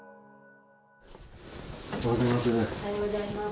おはようございます。